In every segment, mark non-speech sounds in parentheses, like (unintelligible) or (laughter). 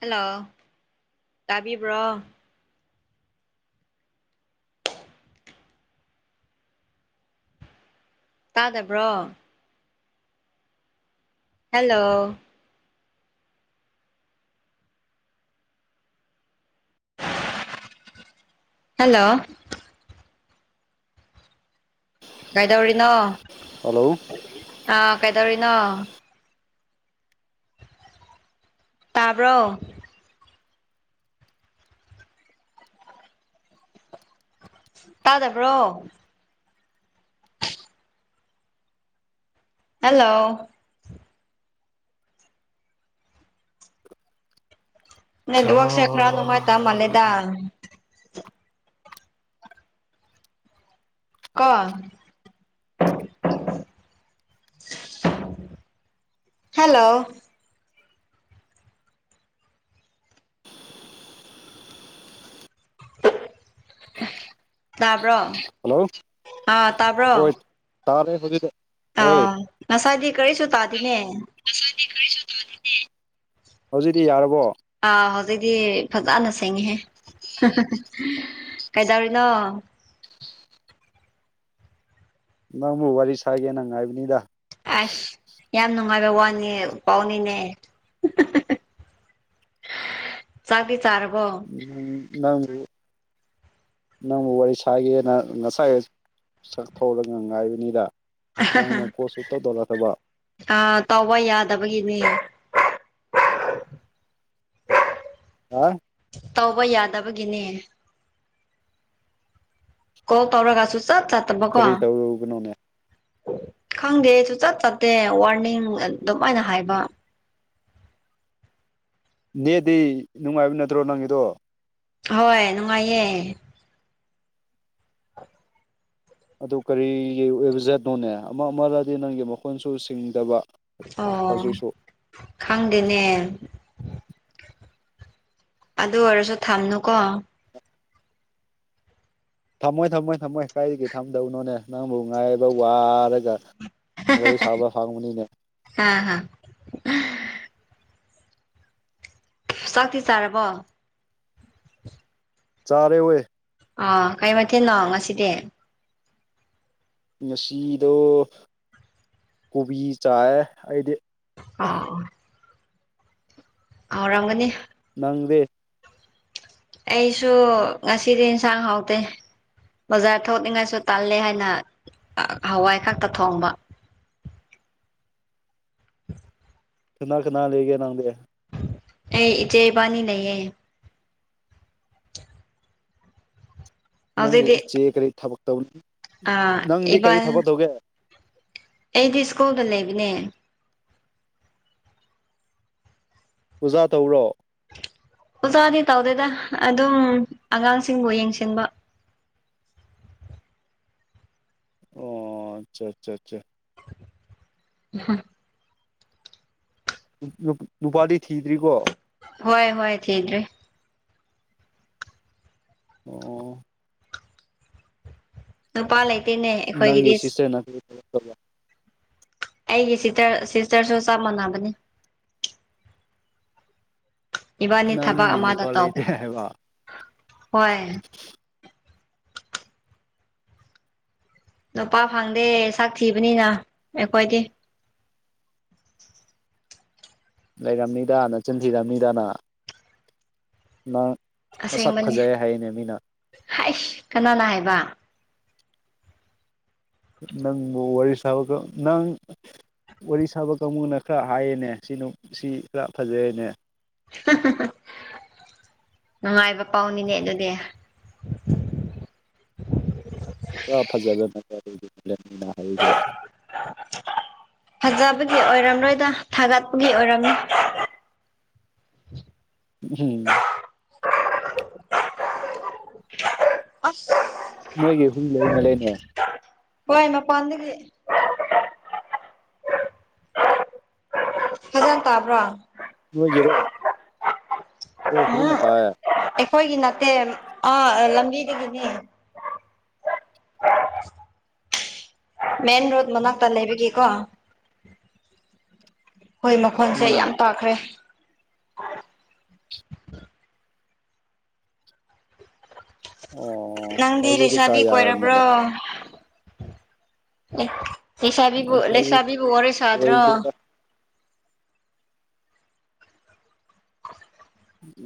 hello ꯇꯥꯕꯤꯕ꯭ꯔꯣ ꯇꯥꯗꯕ꯭ꯔꯣ hello hello ꯀꯩꯗꯧꯔꯤꯅꯣ ꯍꯜꯂꯣ ꯑꯥ ꯀꯩꯗꯧꯔꯤꯅꯣ ꯇꯥꯕ꯭ꯔꯣ ꯇꯥꯗꯕ꯭ꯔꯣ ꯍꯜꯂꯣ ꯅꯦꯠꯋꯛꯁꯦ ꯈꯔ ꯅꯨꯡꯉꯥꯏꯇ ꯃꯜꯂꯦꯗ ꯀꯣ ꯍꯜꯂꯣ ꯇꯥꯕ꯭ꯔꯣ ꯍꯜꯂꯣ ꯑꯥ ꯍꯣꯏ ꯇꯥꯕ꯭ꯔꯣ ꯇꯥꯔꯦ ꯍꯧꯖꯤꯛꯇ ꯍꯣꯏ ꯑꯥ ꯉꯁꯥꯏꯗꯤ ꯀꯔꯤꯁꯨ ꯇꯥꯗꯦꯅꯦ ꯉꯁꯥꯏꯗꯤ ꯀꯔꯤꯁꯨ ꯇꯧꯗꯦꯅꯦ ꯍꯧꯖꯤꯛꯇꯤ ꯌꯥꯔꯕꯣ ꯑꯥ ꯍꯧꯖꯤꯛꯇꯤ ꯐꯖꯅ ꯁꯦꯡꯉꯤꯍꯦ ꯍꯥ ꯍꯥ ꯀꯩꯗꯧꯔꯤꯅꯣ ꯅꯪꯕꯨ ꯋꯥꯔꯤ ꯁꯥꯒꯦꯅ ꯉꯥꯏꯕꯅꯤꯗ ꯑꯁ ꯌꯥꯝ ꯅꯨꯡꯉꯥꯏꯕ ꯋꯥꯅꯤ ꯄꯥꯎꯅꯤꯅꯦ ꯆꯥꯛꯗꯤ ꯆꯥꯔꯕꯣ ꯎꯝ ꯅꯪꯕꯨ ꯅꯪꯕꯨ ꯋꯥꯔꯤ ꯁꯥꯒꯦꯅ ꯉꯁꯥꯏ ꯆꯥꯛ ꯊꯣꯛꯔꯒ ꯉꯥꯏꯕꯅꯤꯗ ꯅꯪꯅ ꯀꯣꯜꯁꯨꯡꯇꯧ ꯇꯧꯔꯛꯇꯕ ꯑꯥ ꯇꯧꯕ ꯌꯥꯗꯕꯒꯤꯅꯦ (unintelligible) ꯑꯥ ꯇꯧꯕ ꯌꯥꯗꯕꯒꯤꯅꯦ ꯀꯣꯜ ꯇꯧꯔꯒ ꯁꯨꯡ ꯆꯠ ꯆꯠꯇꯕꯀꯣ ꯀꯔꯤ ꯇꯧꯔꯨꯕꯅꯣꯅꯦ ꯈꯪꯗꯦ ꯁꯨꯡꯆꯠ ꯆꯠꯇꯦ ꯋꯥꯔꯅꯤꯡ ꯑꯗꯨꯝꯥꯏꯅ ꯍꯥꯏꯕ ꯅꯦꯗꯤ ꯅꯨꯡꯉꯥꯏꯕ ꯅꯠꯇ꯭ꯔꯣ ꯅꯪꯒꯤꯗꯣ ꯍꯣꯏ ꯅꯨꯡꯉꯥꯏꯌꯦ ꯑꯗꯨ ꯀꯔꯤꯒꯤ ꯑꯣꯏꯕ ꯖꯠꯅꯣꯅꯦ ꯑꯃ ꯑꯃꯗꯗꯤ ꯅꯪꯒꯤ ꯃꯈꯣꯟꯁꯨ ꯁꯤꯡꯗꯕ ꯑꯣ ꯍꯧꯖꯤꯛꯁꯨ ꯈꯪꯗꯦꯅꯦ ꯑꯗꯨ ꯑꯣꯏꯔꯁꯨ ꯊꯝꯅꯨꯀꯣ ꯊꯝꯃꯣꯏ ꯊꯝꯃꯣꯏ ꯊꯝꯃꯣꯏ ꯀꯥꯏꯗꯒꯤ ꯊꯝꯗꯧꯅꯣꯅꯦ ꯅꯪꯕꯨ ꯉꯥꯏꯕ ꯋꯥꯔꯒ ꯋꯥꯔꯤ ꯁꯥꯕ ꯐꯥꯡꯅꯤꯅꯦ ꯍꯥ ꯍꯥ ꯆꯥꯛꯇꯤ ꯆꯥꯔꯕꯣ ꯆꯥꯔꯦ ꯋꯦ ꯑꯥ ꯀꯩ ꯃꯊꯦꯟꯅꯣ ꯉꯁꯤꯗꯤ ꯉꯁꯤꯗꯣ ꯀꯣꯕꯤ ꯆꯥꯏ ꯑꯩꯗꯤ ꯑꯣ ꯍꯥꯎꯔꯝꯒꯅꯤ ꯅꯪꯗꯦ ꯑꯩꯁꯨ ꯉꯁꯤꯗꯤ ꯏꯟꯁꯥꯡ ꯍꯥꯎꯇꯦ ꯕꯖꯥꯔ ꯊꯣꯛꯅꯤꯡꯉꯥꯁꯨ ꯇꯥꯜꯂꯦ ꯍꯥꯏꯅ ꯑꯥ ꯍꯋꯥꯏ ꯀꯥꯡꯇꯛ ꯊꯣꯡꯕ ꯀꯅꯥ ꯀꯅꯥ ꯂꯩꯒꯦ ꯅꯪꯗꯤ ꯑꯦ ꯏꯆꯦ ꯏꯕꯥꯅꯤ ꯅꯩꯌꯦ ꯅꯪꯒꯤ ꯍꯧꯖꯤꯛꯇꯤ ꯏꯆꯦ ꯀꯔꯤ ꯊꯕꯛ ꯇꯧꯅꯤ ꯑ ꯅꯪꯗꯤ ꯏꯕꯥ ꯀꯔꯤ ꯊꯕꯛ ꯇꯧꯒꯦ ꯑꯩꯗꯤ ꯁ꯭ꯀꯨꯜꯗ ꯂꯩꯕꯅꯦ ꯑꯣꯖꯥ ꯇꯧꯔꯣ ꯑꯣꯖꯥꯗꯤ ꯇꯧꯗꯦꯗ ꯑꯗꯨꯝ ꯑꯉꯥꯡꯁꯤꯡꯕꯨ ꯌꯦꯡꯁꯤꯟꯕ ꯑꯣ ꯆꯥ ꯆꯥ ꯆꯥ ꯎꯍꯨꯝ ꯅꯨꯞ ꯅꯨꯄꯥꯗꯤ ꯊꯤꯗ꯭ꯔꯤꯀꯣ ꯍꯣꯏ ꯍꯣꯏ ꯊꯤꯗ꯭ꯔꯤ ꯑꯣ ꯅꯨꯄꯥ ꯂꯩꯇꯦꯅꯦ ꯅꯪꯒꯤ ꯑꯩꯈꯣꯏꯒꯤꯗꯤ (unintelligible) ꯑꯩꯒꯤ ꯁꯤꯇꯔ ꯁꯤꯁꯇꯔꯁꯨ ꯆꯞ ꯃꯥꯟꯅꯕꯅꯤ ꯏꯕꯥꯅꯤ ꯊꯕꯛ ꯅꯪꯒꯤ ꯑꯃꯗ ꯅꯨꯄꯥ ꯂꯩꯇꯦ ꯇꯧꯕꯅꯦ ꯍꯥꯏꯕ ꯍꯣꯏ ꯅꯨꯄꯥ ꯐꯪꯗꯦ ꯁꯥꯛ ꯊꯤꯕꯅꯤꯅ ꯑꯩꯈꯣꯏꯗꯤ ꯂꯩꯔꯝꯅꯤꯗ ꯅꯆꯤꯟꯊꯤꯔꯝꯅꯤꯗꯥꯅ ꯅꯪ ꯃꯁꯛ ꯑꯁꯦꯡꯕꯅꯤ ꯐꯖꯩ ꯍꯥꯏꯅꯦ ꯃꯤꯅ ꯍꯥꯏꯁ ꯀꯅꯥꯅ ꯍꯥꯏꯕ ꯅꯪꯕꯨ ꯋꯥꯔꯤ ꯁꯥꯕꯒ ꯅꯪ ꯋꯥꯔꯤ ꯁꯥꯕ ꯀꯥꯡꯕꯨꯅ ꯈꯔ ꯍꯥꯏꯌꯦꯅꯦ ꯁꯤꯅꯨꯞ ꯁꯤ ꯈꯔ ꯐꯖꯩꯌꯦꯅꯦ ꯅꯨꯡꯉꯥꯏꯕ ꯄꯥꯎꯅꯤꯅꯦ ꯑꯗꯨꯗꯤ ꯄꯨꯔꯥ ꯐꯖꯔꯝꯃꯥꯅꯤ ꯑꯗꯨꯗꯤ ꯂꯦꯠꯃꯤꯅ ꯍꯥꯏꯔꯤꯖꯦ ꯐꯖꯕꯒꯤ ꯑꯣꯏꯔꯝꯔꯣꯏꯗ ꯊꯥꯒꯠꯄꯒꯤ ꯑꯣꯏꯔꯝꯅꯤ ꯎꯝꯍꯨꯝ ꯑꯁ ꯅꯣꯏꯒꯤ ꯑꯍꯨꯝ ꯂꯩꯃ ꯂꯩꯅꯥ ꯋꯥꯏ ꯃꯄꯥꯟꯗꯒꯤ ꯐꯖꯅ ꯇꯥꯕ꯭ꯔꯥ ꯅꯣꯏ ꯒꯤꯔꯣ ꯍꯣꯏ ꯐꯖꯅ ꯎꯝ ꯇꯥꯌꯦ ꯑꯩꯈꯣꯏꯒꯤ ꯅꯠꯇꯦ ꯑꯥ ꯂꯝꯕꯤꯗꯒꯤꯅꯤ ꯃꯦꯟ ꯔꯣꯗ ꯃꯅꯥꯛꯇ ꯂꯩꯕꯒꯤꯀꯣ ꯍꯣꯏ ꯃꯈꯣꯟꯁꯦ ꯎꯝ ꯌꯥꯝ ꯇꯥꯈ꯭ꯔꯦ ꯑꯣ ꯅꯪꯗꯤ ꯍꯧꯖꯤꯛꯇꯤ ꯂꯩꯁꯥꯕꯤ ꯈꯔ ꯀꯣꯏꯔꯕ꯭ꯔꯣ ꯌꯥꯔꯝꯃꯂꯦ ꯑꯦ ꯂꯩꯁꯥꯕꯤꯕꯨ ꯑꯁ ꯍꯧꯖꯤꯛ ꯂꯩꯁꯥꯕꯤꯕꯨ ꯋꯥꯔꯤ ꯁꯥꯗ꯭ꯔꯣ ꯂꯣꯏꯗꯦꯗ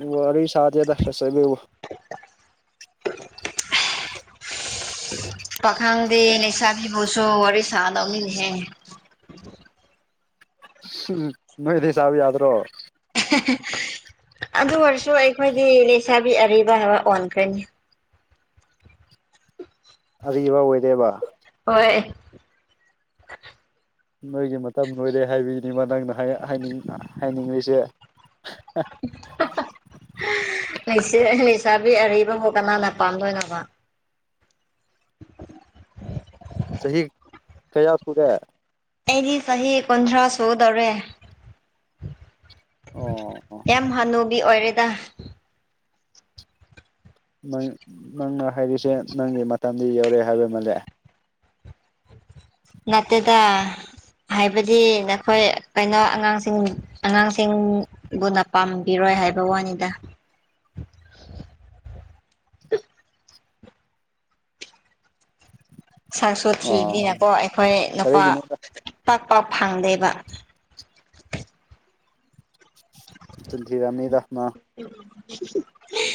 ꯎ ꯋꯥꯔꯤ ꯁꯥꯗꯦꯗ ꯂꯩꯁꯥꯕꯤꯕꯨ ꯄꯈꯪꯗꯤ ꯂꯩꯁꯥꯕꯤꯕꯨꯁꯨ ꯋꯥꯔꯤ ꯁꯥꯗꯧꯅꯤꯅꯦꯍꯦ ꯅꯣꯏꯗꯤ ꯁꯥꯕ ꯌꯥꯗ꯭ꯔꯣ ꯑꯗꯨ ꯑꯣꯏꯔꯁꯨ ꯑꯩꯈꯣꯏꯗꯤ ꯂꯩꯁꯥꯕꯤ ꯑꯔꯤꯕ ꯍꯥꯏꯕ ꯑꯣꯟꯈ꯭ꯔꯦꯅꯦ ꯑꯔꯤꯕ ꯑꯣꯏꯔꯦꯕ ꯍꯣꯏ ꯅꯣꯏꯒꯤ ꯃꯇꯝ ꯂꯣꯏꯔꯦ ꯍꯥꯏꯕꯒꯤꯅꯤ ꯃꯥ ꯅꯪꯅ ꯍꯥꯏꯌꯥ ꯍꯥꯏꯅꯤꯡ ꯍꯥꯏꯅꯤꯡꯂꯤꯁꯦ (unintelligible) ꯂꯩꯁꯥꯕꯤ ꯑꯔꯤꯕꯕꯨ ꯀꯅꯥꯅ ꯄꯥꯟꯗꯣꯏꯅꯣꯕ ꯆꯍꯤ ꯀꯌꯥ ꯁꯨꯒꯦ ꯑꯩꯗꯤ ꯆꯍꯤ ꯀꯨꯟꯊ꯭ꯔꯥ ꯁꯨꯒꯗꯧꯔꯦ ꯑꯣ ꯑꯣ ꯌꯥꯝ ꯍꯥꯅꯨꯕꯤ ꯑꯣꯏꯔꯦꯗ ꯅꯪ ꯅꯪꯅ ꯍꯥꯏꯔꯤꯁꯦ ꯅꯪꯒꯤ ꯃꯇꯝꯗꯤ ꯌꯧꯔꯦ ꯍꯥꯏꯕ ꯃꯥꯜꯂꯦ ꯅꯠꯇꯦꯗ ꯍꯥꯏꯕꯗꯤ ꯅꯈꯣꯏ ꯀꯩꯅꯣ ꯑꯉꯥꯡꯁꯤꯡ ꯑꯉꯥꯡꯁꯤꯡ ꯕꯨꯅ ꯄꯥꯝꯕꯤꯔꯣꯏ ꯍꯥꯏꯕ ꯋꯥꯅꯤꯗ ꯁꯛꯁꯨ ꯑꯣ ꯊꯤꯕꯅꯤꯅꯀꯣ ꯑꯩꯈꯣꯏ ꯅꯨꯄꯥ ꯀꯔꯤꯒꯤꯅꯣꯗ ꯄꯥꯛ ꯄꯥꯛ ꯐꯪꯗꯦꯕ ꯆꯤꯟ ꯊꯤꯔꯝꯅꯤꯗ ꯃꯥ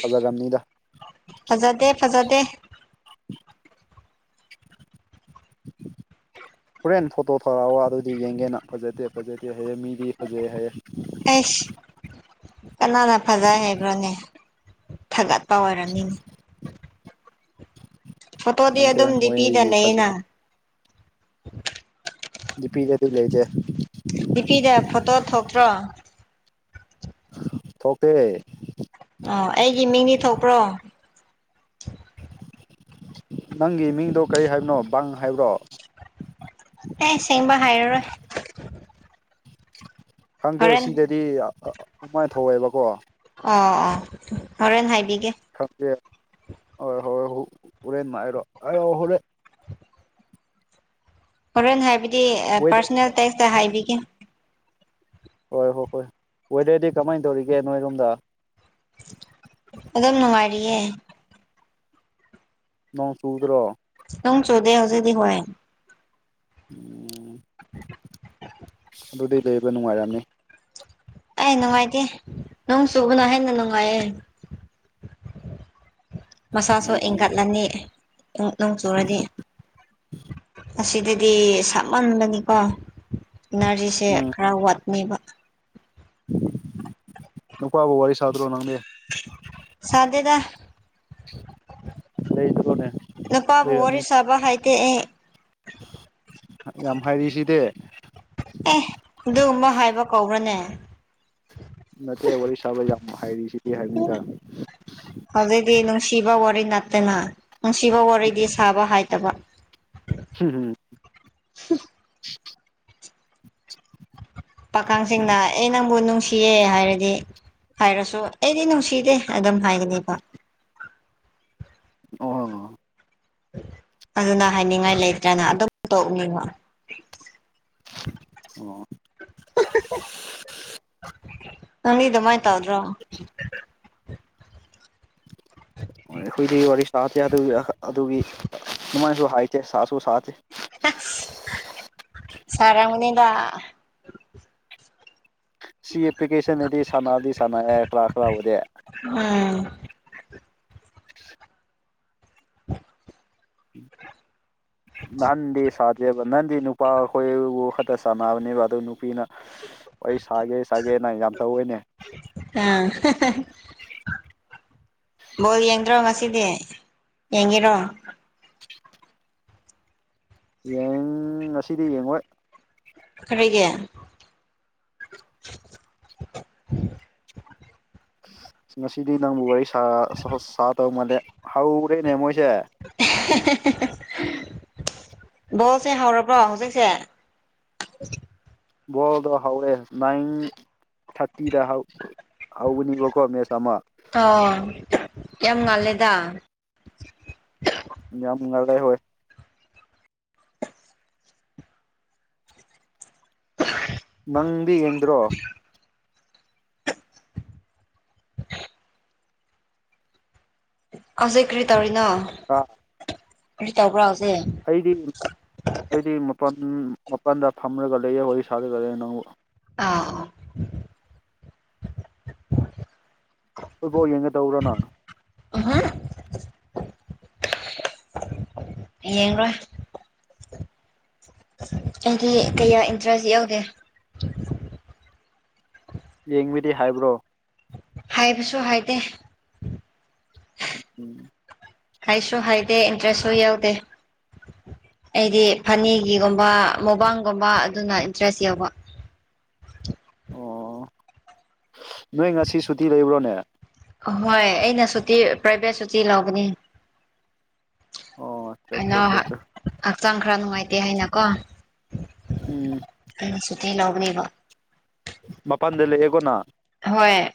ꯐꯖꯔꯝꯅꯤꯗ ꯐꯖꯗꯦ ꯐꯖꯗꯦ (unintelligible) ꯍꯣꯔꯦꯟ ꯐꯣꯇꯣ ꯊꯔꯛꯑꯣ ꯑꯗꯨꯗꯤ ꯌꯦꯡꯒꯦꯅ ꯐꯖꯗꯦ ꯐꯖꯗꯦ ꯍꯌꯦ ꯃꯤꯗꯤ ꯐꯖꯩ ꯍꯥꯏꯌꯦ ꯑꯩꯁ ꯀꯅꯥꯅ ꯐꯖꯩ ꯍꯩꯕ꯭ꯔꯣꯅꯦ ꯊꯒꯠꯄ ꯑꯣꯏꯔꯅꯤꯅꯦ ꯐꯣꯇꯣꯗꯤ ꯈꯪꯗꯦ ꯑꯗꯨꯝ ꯗꯤ ꯄꯤꯗ ꯃꯣꯏꯒꯤ ꯂꯩꯌꯦꯅ ꯐꯖꯩ ꯗꯤꯄꯤꯗꯗꯤ ꯂꯩꯇꯦ ꯗꯤꯄꯤꯗ ꯐꯣꯇꯣ ꯊꯣꯛꯇ꯭ꯔꯣ ꯊꯣꯛꯇꯦ ꯑꯣ ꯑꯩꯒꯤ ꯃꯤꯡꯗꯤ ꯊꯣꯛꯄ꯭ꯔꯣ ꯅꯪꯒꯤ ꯃꯤꯡꯗꯣ ꯀꯔꯤ ꯍꯥꯏꯕꯅꯣ ꯕꯪ ꯍꯥꯏꯕ꯭ꯔꯣ ꯑꯦ ꯁꯦꯡꯕ ꯍꯥꯏꯔꯔꯣꯏ ꯈꯪꯗꯦ ꯍꯣꯔꯦꯟ ꯁꯤꯗꯗꯤ ꯑꯥꯑ ꯎꯃꯥꯏ ꯊꯣꯋꯦꯕꯀꯣ ꯑꯣ ꯑꯣꯥ ꯍꯣꯔꯦꯟ ꯍꯥꯏꯕꯤꯒꯦ ꯈꯪꯗꯦ ꯍꯣꯏ ꯍꯣꯏ ꯍꯨ ꯍꯨꯔꯦꯟ ꯍꯥꯏꯔꯣ ꯍꯥꯏꯔꯣ ꯍꯨꯔꯦꯟ ꯍꯣꯔꯦꯟ ꯍꯥꯏꯕꯗꯤ ꯑꯦ ꯋꯦꯗꯔ ꯄꯥꯔꯁꯅꯦꯜ ꯇꯦꯛꯁꯇ ꯍꯥꯏꯕꯤꯒꯦ ꯍꯣꯏ ꯍꯣꯏ ꯍꯣꯏ ꯋꯦꯗꯔꯗꯤ ꯀꯃꯥꯏꯟ ꯇꯧꯔꯤꯒꯦ ꯅꯣꯏꯔꯣꯝꯗ ꯑꯗꯨꯝ ꯅꯨꯡꯉꯥꯏꯔꯤꯌꯦ ꯅꯣꯡ ꯆꯨꯗ꯭ꯔꯣ ꯅꯨꯡ ꯆꯨꯗꯦ ꯍꯧꯖꯤꯗꯤ ꯍꯣꯏ ꯎꯝ ꯑꯗꯨꯗꯤ ꯂꯩꯕ ꯅꯨꯡꯉꯥꯏꯔꯝꯅꯤ ꯑꯦ ꯅꯨꯡꯉꯥꯏꯇꯦ ꯅꯣꯡ ꯆꯨꯕꯅ ꯍꯦꯟꯅ ꯅꯨꯡꯉꯥꯏꯌꯦ ꯃꯁꯥꯁꯨ ꯑꯣ ꯏꯪꯒꯠꯂꯅꯤ ꯎꯝ ꯅꯣꯡ ꯆꯨꯔꯗꯤ ꯑꯁꯤꯗꯗꯤ ꯁꯥꯃꯟꯕꯅꯤꯀꯣ ꯏꯅꯔꯖꯤꯁꯦ ꯎꯝ ꯈ꯭ꯔ ꯋꯥꯠꯅꯦꯕ ꯅꯨꯄꯥꯕꯨ ꯋꯥꯔꯤ ꯁꯥꯗ꯭ꯔꯣ ꯅꯪꯗꯤ ꯁꯥꯗꯦꯗ ꯂꯩꯗ꯭ꯔꯣꯅꯦ ꯅꯨꯄꯥꯕꯨ ꯋꯥꯔꯤ ꯂꯩꯔꯝꯅꯤꯗ ꯁꯥꯕ ꯍꯩꯇꯦ ꯑꯦ ꯍꯥ ꯍꯥꯏꯔꯤꯁꯤꯗꯦ ꯑꯦ ꯑꯗꯨꯒꯨꯝꯕ ꯍꯥꯏꯕ ꯀꯧꯕ꯭ꯔꯅꯦ ꯅꯠꯇꯦ ꯋꯥꯔꯤ ꯁꯥꯕ ꯌꯥꯝ ꯍꯥꯏꯔꯤ ꯁꯤꯗꯤ ꯍꯥꯏꯕꯅꯤꯗ ꯍꯧꯖꯤꯛꯇꯤ ꯅꯨꯡꯁꯤꯕ ꯋꯥꯔꯤ ꯅꯠꯇꯦꯅ ꯅꯨꯡꯁꯤꯕ ꯋꯥꯔꯤꯗꯤ ꯁꯥꯕ ꯍꯥꯏꯇꯕ ꯍꯤ ꯍꯤ ꯄꯥꯈꯪꯁꯤꯡꯅ ꯑꯦ ꯅꯪꯕꯨ ꯅꯨꯡꯁꯤꯌꯦ ꯍꯥꯏꯔꯗꯤ ꯍꯥꯏꯔꯁꯨ ꯑꯩꯗꯤ ꯅꯨꯡꯁꯤꯗꯦ ꯑꯗꯨꯝ ꯍꯥꯏꯒꯅꯦꯕ ꯑꯣ ꯍꯥꯡꯉꯣ ꯑꯗꯨꯅ ꯍꯥꯏꯅꯤꯡꯉꯥꯏ ꯂꯩꯇ꯭ꯔꯅ ꯑꯗꯨꯝ ꯇꯧꯅꯤꯡꯕꯥ ꯑꯣ ꯅꯪꯗꯤ ꯑꯗꯨꯃꯥꯏ ꯇꯧꯗ꯭ꯔꯣ ꯍꯣꯏ ꯑꯩꯈꯣꯏꯗꯤ ꯋꯥꯔꯤ ꯁꯥꯗ ꯌꯥꯗꯕꯒꯤ ꯑ ꯑꯗꯨꯒꯤ ꯑꯗꯨꯃꯥꯏꯅꯁꯨ ꯍꯥꯏꯇꯦ ꯁꯥꯁꯨ ꯁꯥꯗꯦ ꯁꯥꯔꯝꯒꯅꯤꯗꯥ ꯁꯤ ꯑꯦꯄ꯭ꯂꯤꯀꯦꯁꯟꯅꯗꯤ ꯁꯥꯟꯅꯗꯤ ꯁꯥꯟꯅꯑꯦ ꯀ꯭ꯂꯥ ꯀ꯭ꯂꯥ ꯕꯨꯗꯤ ꯎꯝ ꯎꯝ ꯅꯍꯥꯟꯗꯤ ꯁꯥꯗꯦꯕ ꯅꯍꯥꯟꯗꯤ ꯅꯨꯄꯥ ꯑꯈꯣꯏꯕꯨ ꯈꯛꯇ ꯁꯥꯟꯅꯕꯅꯦꯕ ꯑꯗꯨ ꯅꯨꯄꯤꯅ ꯑꯩ ꯁꯥꯒꯦ ꯁꯥꯒꯦꯅ ꯌꯥꯝ ꯇꯧꯋꯦꯅꯦ ꯑꯥ ꯕꯣꯜ ꯌꯦꯡꯗ꯭ꯔꯣ ꯉꯁꯤꯗꯤ ꯌꯦꯡꯉꯤꯔꯣ ꯌꯦꯡ ꯉꯁꯤꯗꯤ ꯌꯦꯡꯉꯣꯏ ꯀꯔꯤꯒꯦ ꯉꯁꯤꯗꯤ ꯅꯪꯕꯨ ꯋꯥꯔꯤ ꯁꯥ ꯁꯥ ꯁꯥꯇꯧ ꯃꯥꯟꯇꯦ ꯍꯧꯔꯦꯅꯦ ꯃꯣꯏꯁꯦ ꯕꯣꯜꯁꯦ ꯍꯧꯔꯕ꯭ꯔꯣ ꯍꯧꯖꯤꯛꯁꯦ ꯕꯣꯜꯗꯣ ꯍꯧꯔꯦ ꯅꯪ ꯊꯥꯔꯇꯤꯗ ꯍꯧ ꯍꯧꯕꯅꯤꯕꯀꯣ ꯃꯦꯠꯆ ꯑꯃ ꯑꯣ ꯌꯥꯝ ꯉꯥꯜꯂꯦꯗꯥ ꯌꯥꯝ ꯉꯜꯂꯦ ꯍꯣꯏ ꯅꯪꯗꯤ ꯌꯦꯡꯗ꯭ꯔꯣ ꯍꯧꯖꯤꯛ ꯀ꯭ꯔꯤ ꯇꯧꯔꯤꯅꯣ ꯑꯥ ꯀ꯭ꯔꯤ ꯇꯧꯕ꯭ꯔꯥ ꯍꯧꯖꯤꯛ ꯑꯩꯗꯤ ꯑꯩꯗꯤ ꯃꯄꯥꯟ ꯃꯄꯥꯟꯗ ꯐꯝꯂꯒ ꯂꯩꯌꯦ ꯋꯥꯔꯤ ꯁꯥꯔꯒ ꯂꯩꯔꯦ ꯅꯪꯕꯨ ꯑꯥ ꯐꯨꯠꯕꯣꯜ ꯌꯦꯡꯒꯗꯧꯔꯥ ꯅꯪ (unintelligible) ꯌꯦꯡꯔꯣꯏ ꯑꯩꯗꯤ ꯀꯌꯥ ꯏꯟꯇꯔꯦꯁ ꯌꯥꯎꯗꯦ ꯌꯦꯡꯕꯗꯤ ꯍꯥꯏꯕ꯭ꯔꯣ ꯍꯥꯏꯕꯁꯨ ꯍꯥꯏꯗꯦ ꯎꯝ ꯍꯥꯏꯁꯨ ꯍꯥꯏꯇꯦ ꯏꯟꯇ꯭ꯔꯦꯁꯁꯨ ꯌꯥꯎꯗꯦ ꯑꯩꯗꯤ ꯐꯟꯅꯤꯒꯤꯒꯨꯝꯕ ꯃꯣꯕꯥꯡꯒꯨꯝꯕ ꯑꯗꯨꯅ ꯏꯟꯇ꯭ꯔꯦꯁ ꯌꯥꯎꯕ ꯑꯣ ꯅꯣꯏ ꯉꯁꯤ ꯁꯨꯇꯤ ꯂꯩꯕ꯭ꯔꯣꯅꯦ ꯑꯍꯣꯏ ꯑꯩꯅ ꯁꯨꯇꯤ ꯄ꯭ꯔꯥꯏꯚꯦꯠ ꯁꯨꯇꯤ ꯂꯧꯕꯅꯤ ꯑꯣ ꯑꯠꯆꯥ ꯀꯩꯅꯣ ꯑꯠꯆꯥ ꯑꯠꯆꯥ ꯍꯛꯆꯥꯡ ꯈꯔ ꯅꯨꯡꯉꯥꯏꯇꯦ ꯍꯥꯏꯅꯀꯣ ꯎꯝ ꯑꯩꯅ ꯁꯨꯇꯤ ꯂꯧꯕꯅꯦꯕꯥ ꯃꯄꯥꯟꯗ ꯂꯩꯌꯦꯒꯣꯟꯅ ꯍꯣꯏ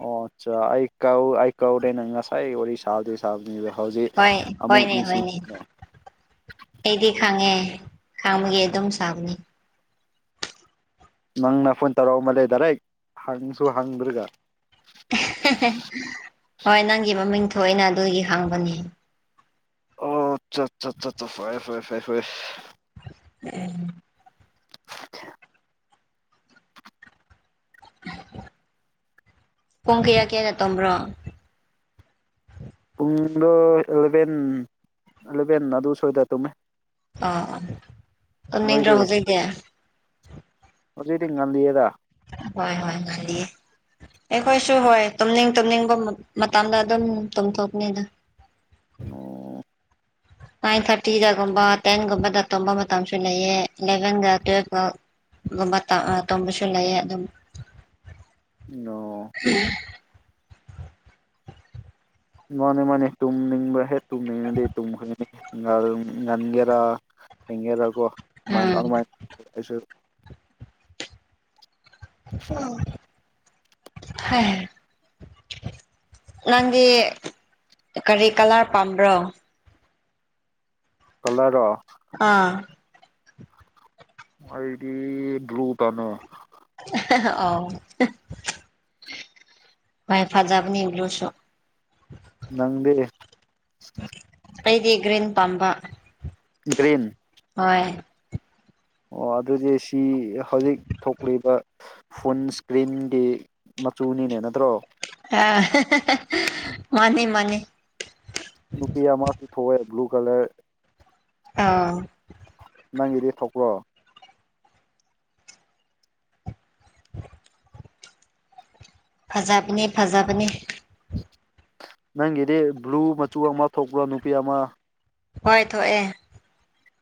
ꯑꯣ ꯑꯆꯥ ꯑꯩ ꯀꯧ ꯑꯩ ꯀꯧꯔꯦꯅ ꯉꯁꯥꯏ ꯋꯥꯔꯤꯔꯤ ꯁꯗ ꯍꯧꯖꯤꯛ ꯍꯣꯏ ꯑꯃꯨꯛ ꯍꯣꯏꯅꯦ ꯅꯤꯡꯁꯤꯡ ꯍꯣꯏꯅꯦ ꯑꯩꯗꯤ ꯈꯥꯡꯉꯦ ꯈꯥꯡꯕꯒꯤ ꯑꯗꯨꯝ ꯁꯥꯕꯅꯤ ꯅꯪꯅ ꯐꯣꯟ ꯇꯧꯔꯛꯃꯜ ꯂꯩ ꯗꯥꯏꯔꯦꯛ ꯍꯪꯁꯨ ꯍꯪꯗ꯭ꯔꯒ ꯍꯣꯏ ꯅꯪꯒꯤ ꯃꯃꯤꯡ ꯊꯣꯛꯏꯅ ꯑꯗꯨꯒꯤ ꯍꯪꯕꯅꯤ ꯑꯣ ꯑꯆꯥ ꯑꯆꯥ ꯐꯌꯦ ꯐꯌꯦ ꯐꯌꯦ ꯐꯌꯦ (inaudible) ꯄꯨꯡ ꯀꯌꯥ ꯀꯌꯥ ꯀꯌꯥꯗ ꯇꯨꯝꯕ꯭ꯔꯣ ꯄꯨꯡꯗꯣ ꯑꯦꯂꯚꯦꯟ ꯑꯦꯂꯚꯦꯟ ꯑꯗꯨ ꯁꯣꯏꯗ ꯇꯨꯝꯃꯦ ꯑꫭ ꯑꫭ ꯇꯨꯝꯅꯤꯗ꯭ꯔꯣ ꯅꯣꯏꯗꯤ ꯍꯧꯖꯤꯛꯗꯤ ꯍꯧꯖꯤꯛꯇꯤ‌ ꯉꯜꯂꯤꯌꯦꯗ ꯍꯣꯏ ꯍꯣꯏ ꯉꯜꯂꯤꯌꯦ ꯑꯩꯈꯣꯏꯁꯨ ꯍꯣꯏ ꯇꯨꯝꯅꯤꯡ ꯇꯨꯝꯅꯤꯡꯕ ꯃꯇꯝꯗ ꯑꯗꯨꯝ ꯇꯨꯝꯊꯣꯛꯅꯤꯗ ꯑꯣ ꯅꯥꯏꯟ ꯊꯥꯔꯇꯤꯗꯒꯨꯝꯕ ꯇꯦꯟꯒꯨꯝꯕꯗ ꯇꯣꯝꯕ ꯃꯇꯝꯁꯨ ꯂꯩꯌꯦ ꯏꯂꯚꯦꯟꯒ ꯇꯨꯋꯦꯜꯀ ꯕꯥꯇ ꯇꯣꯝꯕꯁꯣꯂꯥꯏ ꯑꯗꯨꯝ ꯑꯣ (inaudible) ꯃꯥꯅꯤ ꯃꯥꯅꯦ ꯇꯨꯝꯅꯤꯡꯕ꯭ꯔꯥ ꯍꯦꯛ ꯇꯨꯝꯅꯤꯡꯅꯤꯡꯉꯗꯤ ꯇꯨꯝꯈꯦ ꯒꯥꯔ ꯉꯥꯟꯒꯦꯔ ꯊꯦꯡꯒꯦꯔ ꯀꯣ ꯃꯥꯏꯟ ꯎꯝ ꯑꯔꯃꯥꯏꯟꯁꯨ (inaudible) ꯅꯪꯗꯤ ꯀꯔꯤ ꯀꯂꯔ ꯄꯥꯝꯕ꯭ꯔꯣ ꯀꯂꯔꯔꯣ ꯑꯥ ꯑꯩꯗꯤ ꯕ꯭ꯂꯨ ꯄꯥꯝꯃꯦ ꯑꫭ ꯍꯦ ꯐꯖꯕꯅꯤ ꯕ꯭ꯂꯨꯁꯨ ꯅꯪꯗꯤ ꯑꯩꯗꯤ ꯒ꯭ꯔꯏꯟ ꯄꯥꯝꯕ ꯒ꯭ꯔꯤꯟ ꯍꯣꯏ ꯑꯣ ꯑꯗꯨꯗꯤ ꯁꯤ ꯍꯧꯖꯤꯛ ꯊꯣꯛꯂꯤꯕ ꯐꯨꯟ ꯏꯁꯀ꯭ꯔꯤꯟꯒꯤ ꯃꯆꯨꯅꯤꯅꯦ ꯅꯠꯇ꯭ꯔꯣ ꯑꯥ ꯃꯥꯅꯤ ꯃꯥꯅꯤ ꯅꯨꯄꯤ ꯑꯃ ꯄꯨ ꯊꯣꯛꯣꯛꯑꯦ ꯕ꯭ꯂꯨ ꯀꯂꯔ ꯑꫭ ꯅꯪꯒꯤꯗꯤ ꯊꯣꯛꯄ꯭ꯔꯣ ꯐꯖꯕꯅꯦ ꯐꯖꯕꯅꯦ ꯅꯪꯒꯤꯗꯤ ꯕ꯭ꯂꯨ ꯃꯆꯨ ꯑꯃ ꯊꯣꯛꯄ꯭ꯔꯣ ꯅꯨꯄꯤ ꯑꯃ ꯍꯣꯏ ꯊꯣꯛꯑꯦ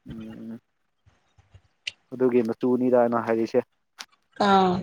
ꯎꯝ ꯑꯗꯨꯒꯤ ꯃꯆꯨꯅꯤꯗ ꯑꯩꯅ ꯍꯥꯏꯔꯤꯁꯦ ꯑꫭ